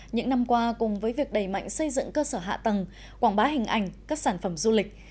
những năm qua cùng với việc đẩy mạnh xây dựng cơ sở hạ tầng quảng bá hình ảnh các sản phẩm du lịch